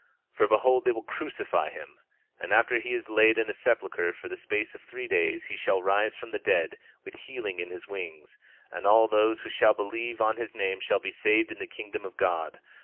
25:13 Behold, they will crucify him; and after he is laid in a sepulchre for the space of three days he shall rise from the dead, with healing in his wings; and all those who shall believe on his name shall be saved in the kingdom of God.